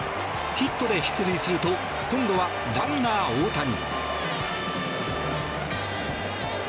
ヒットで出塁すると今度はランナー・大谷。